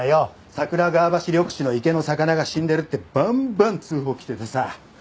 桜川橋緑地の池の魚が死んでるってバンバン通報来ててさ。